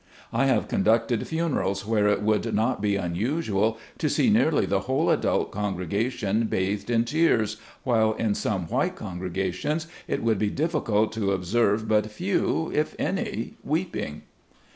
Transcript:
I have conducted funerals where it would not be unusual to see nearly the whole adult congregation bathed in tears, while in some white congregations it would be difficult to observe but few, if any, weeping.